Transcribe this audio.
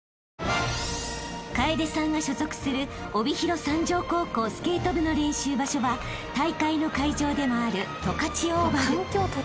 ［楓さんが所属する帯広三条高校スケート部の練習場所は大会の会場でもある］